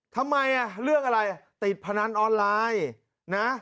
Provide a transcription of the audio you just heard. ทำไมเรื่องอะไรติดพนันออนไลน์นะ